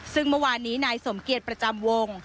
ซึ่งเมื่อวานนี้นายสมเกียจประจำวง